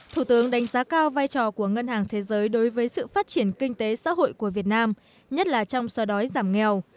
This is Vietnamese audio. thủ tướng đánh giá cao vai trò của ngân hàng thế giới đối với sự phát triển kinh tế xã hội của việt nam nhất là trong xoa đói giảm nghèo